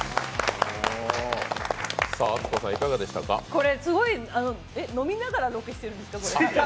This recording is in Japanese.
これすごい飲みながらロケしてるんですか？